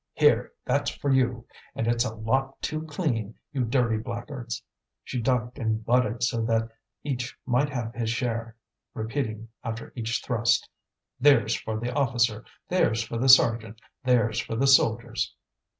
"Here, that's for you! and it's a lot too clean, you dirty blackguards!" She ducked and butted so that each might have his share, repeating after each thrust: "There's for the officer! there's for the sergeant! there's for the soldiers!"